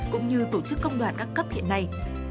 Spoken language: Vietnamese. cũng như tổ chức công đoàn các cấp hiện nay